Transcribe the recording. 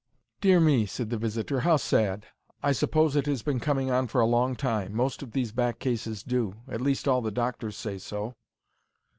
"Dear me," said the visitor; "how sad! I suppose it has been coming on for a long time. Most of these back cases do. At least all the doctors say so."